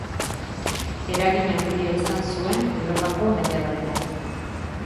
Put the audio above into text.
Eragin handia izan zuen Europako mendebaldean.